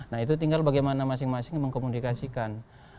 nah itu tinggal bagaimana masing masing mengkomunikasikan